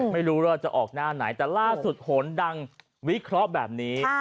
ไม่รู้ว่าจะออกหน้าไหนแต่ล่าสุดโหนดังวิเคราะห์แบบนี้